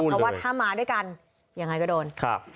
เพราะว่าถ้ามาด้วยกันยังไงก็โดน